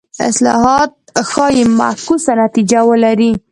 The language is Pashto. اصلاحات ښايي معکوسه نتیجه ولري.